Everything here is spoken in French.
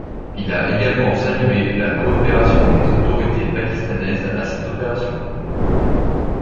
Il a également salué la coopération des autorités pakistanaises à cette opération.